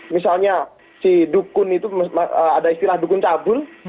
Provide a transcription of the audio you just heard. misalnya si dukun itu ada istilah dukun cabul